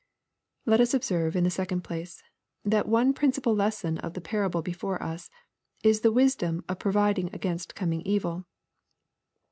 Let us observe, in the second place, that one princi pal lesson of the parable before us, is the wisdom of providing against coming evil.